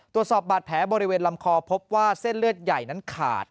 ตรวจสอบบาดแผลบริเวณลำคอพบว่าเส้นเลือดใหญ่นั้นขาด